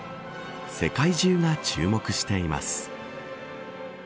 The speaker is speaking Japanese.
世界中が注目しています。